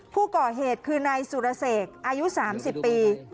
ผู้ก่อเหตุคือนายสุรเสกอายุ๓๐ปี